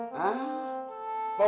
mba be suka